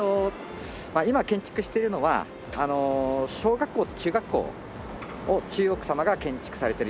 今建築しているのは小学校と中学校を中央区様が建築されてるようです。